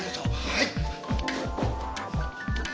はい！